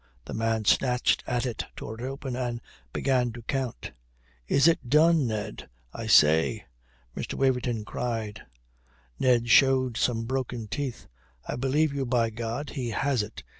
The man snatched at it, tore it open, and began to count. "Is it done, Ned, I say?" Mr. Waverton cried. Ned showed some broken teeth. "I believe you, by God. He has it.